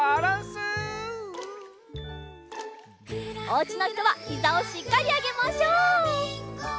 おうちのひとはひざをしっかりあげましょう！